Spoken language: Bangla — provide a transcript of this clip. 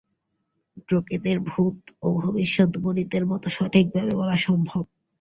প্রকৃতির ভূত ও ভবিষ্যৎ গণিতের মত সঠিকভাবে বলা সম্ভব।